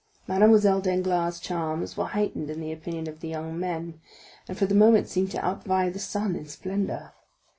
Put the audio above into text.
Mademoiselle Danglars' charms were heightened in the opinion of the young men, and for the moment seemed to outvie the sun in splendor.